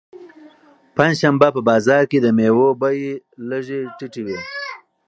پنجشنبه په بازار کې د مېوو بیې لږې ټیټې وي.